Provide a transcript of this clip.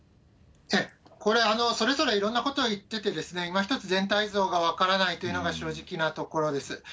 これ、それぞれいろんなことを言ってて、今一つ全体像が分からないというのが正直なところです。